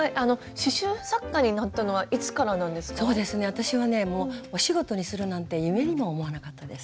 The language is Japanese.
私はねもうお仕事にするなんて夢にも思わなかったです。